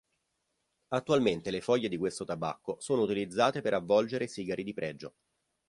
Attualmente le foglie di questo tabacco sono utilizzate per avvolgere sigari di pregio.